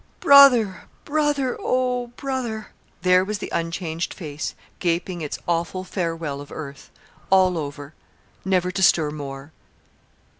brother, brother, oh, brother!' There was the unchanged face, gaping its awful farewell of earth. All over! never to stir more.